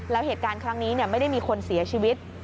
แล้วเหตุการณ์ครั้งนี้ไม่ได้มีคนเสียชีวิต